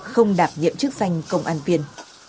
không đạp nhiệm chức danh công an viên